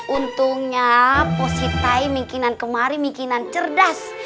untungnya positai mingkinan kemari mingkinan cerdas